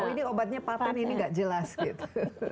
ini obatnya paten ini gak jelas gitu